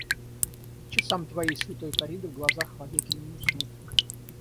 Часам твоей святой корриды в глазах вовеки не уснуть.